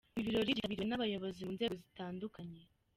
Ibi birori byitabiriwe n'abayobozi mu nzego zitandukanye.